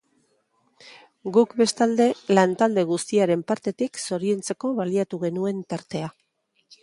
Guk bestalde, lan talde guztiaren partetik zoriontzeko baliatu genuen tartea.